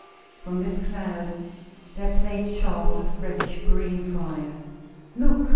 From this cloud there played shafts of reddish green fire. "Look!"